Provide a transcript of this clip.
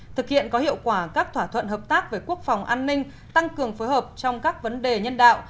thực hiện có hiệu quả các thỏa thuận hợp tác về quốc phòng an ninh tăng cường phối hợp trong các vấn đề nhân đạo